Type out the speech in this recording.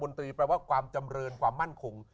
นตรีแปลว่าความจำเรินความมั่นคง